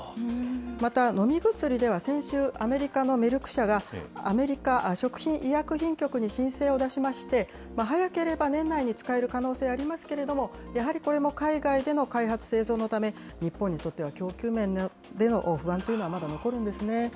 また、飲み薬では先週、アメリカのメルク社が、アメリカ食品医薬品局に申請を出しまして、早ければ年内に使える可能性ありますけれども、やはりこれも海外での開発・製造のため、日本にとっては供給面での不安というのは、まだ残るんですね。